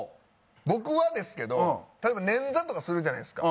僕はですけど例えば捻挫とかするじゃないですか。